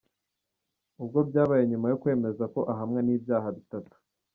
Ibyo byabaye nyuma yo kwemeza ko ahamwa n'ibyaha bitatu.